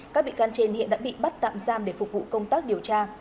các bị can trên hiện đã bị bắt tạm giam để phục vụ công tác điều tra